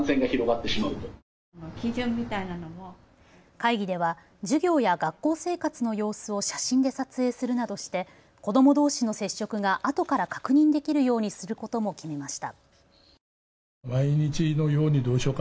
会議では授業や学校生活の様子を写真で撮影するなどして子どもどうしの接触があとから確認できるようにすることも決めました。